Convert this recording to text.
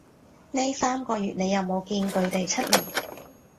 呢三個月你有冇見佢哋出來